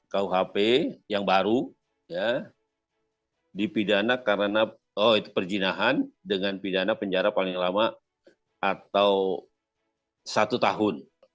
kuhp yang baru ya dipidana karena oh itu perjinahan dengan pidana penjara paling lama atau satu tahun